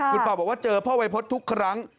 คุณปอบอกว่าเจอพ่อวัยพฤษทุกครั้ง